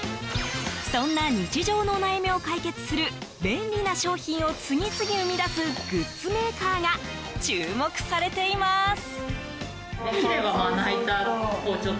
そんな日常のお悩みを解決する便利な商品を次々生み出すグッズメーカーが注目されています。